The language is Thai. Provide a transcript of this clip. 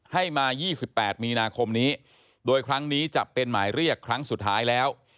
ให้มา๒๘มีนาคมนี้โดยครั้งนี้จะเป็นหมายเรียกครั้งสุดท้ายแล้ว